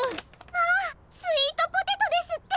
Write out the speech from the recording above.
まあスイートポテトですって！？